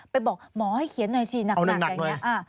บอกหมอให้เขียนหน่อยสิหนักอย่างนี้